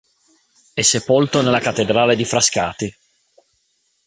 È sepolto nella cattedrale di Frascati.